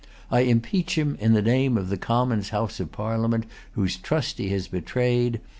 I impeach him in the name of the Commons' House of Parliament, whose trust he has betrayed.